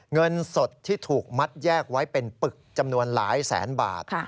เงินสดที่ถูกมัดแยกไว้เป็นปึกจำนวนหลายแสนบาท